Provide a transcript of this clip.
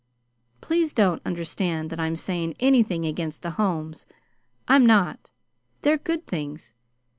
Please don't understand that I'm sayin' anythin' against the homes. I'm not. They're good things.